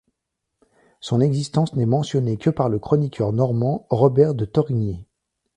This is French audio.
Son existence n'est mentionné que par le chroniqueur normand Robert de Torigni.